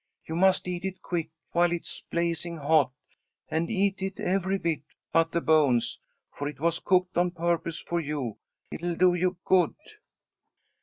"You must eat it quick, while it's blazing hot, and eat it every bit but the bones, for it was cooked on purpose for you. It'll do you good."